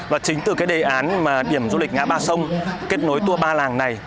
và chính từ cái đề án mà điểm du lịch ngã ba sông kết nối tour ba làng này